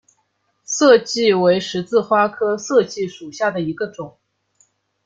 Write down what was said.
涩荠为十字花科涩荠属下的一个种。